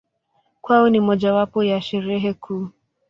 Kwao ni mojawapo ya Sherehe kuu.